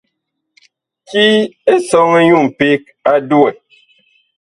Ti Esɔŋɛ nyu mpeg a duwɛ.